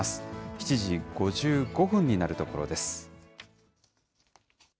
７時５５分になるところです。